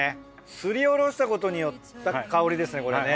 すりおろしたことによった香りですねこれね。